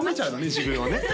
自分をね